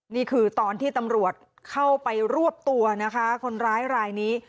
นี่คือตอนที่ตำรวจเข้าไปรวบตัวนะคะคนร้ายรายนี้